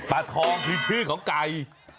ทองคือชื่อของไก่